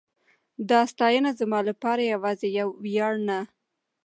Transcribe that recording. دا ستاینه زما لپاره یواځې یو ویاړ نه